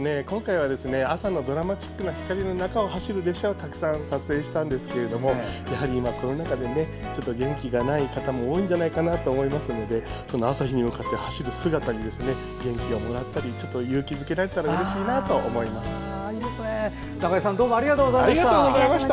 今回は、朝のドラマチックな光の中を走る列車をたくさん撮影したんですがやはり今コロナ禍でちょっと元気がない方も多いんじゃないかと思いますので朝日に向かって走る姿に元気をもらったりちょっと勇気づけられたらうれしいなと思います。